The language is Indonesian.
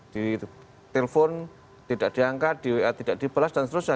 ditelepon tidak diangkat tidak dipelas dan sebagainya